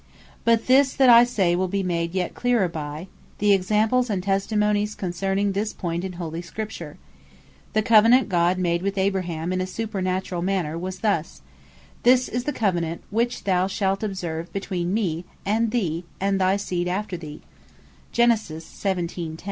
But this that I say, will be made yet cleerer, by the Examples, and Testimonies concerning this point in holy Scripture. The Covenant God made with Abraham (in a Supernaturall Manner) was thus, (Gen. 17. 10) "This is the Covenant which thou shalt observe between Me and Thee and thy Seed after thee."